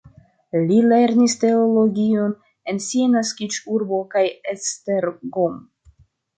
Li lernis teologion en sia naskiĝurbo kaj Esztergom.